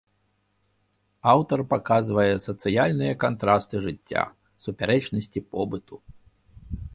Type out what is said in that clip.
Аўтар паказвае сацыяльныя кантрасты жыцця, супярэчнасці побыту.